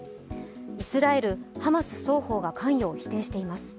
イスラエル・ハマス双方が関与を否定しています。